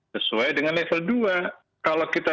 sesuai dengan level dua kalau kita